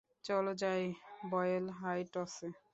চলো যাই, বয়েল হাইটসে!